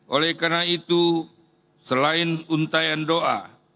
oleh karena itu selain untayan doa